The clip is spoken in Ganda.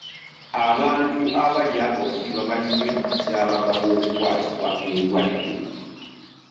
Abantu abalya obubi baba nnyo mu katyabaga k'okukwatibwa endwadde.